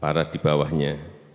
para di bawahnya